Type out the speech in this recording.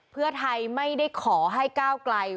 เพื่อไทยไม่ได้ขอให้ก้าวไกล